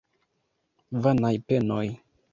Vanaj penoj!